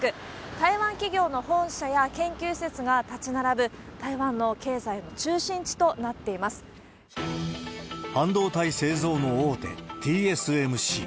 台湾企業の本社や研究施設が建ち並ぶ、台湾の経済の中心地となっ半導体製造の大手、ＴＳＭＣ。